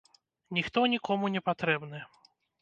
Ніхто нікому не патрэбны.